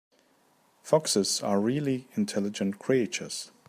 Foxes are really intelligent creatures.